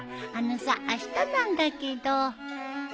あのさあしたなんだけど。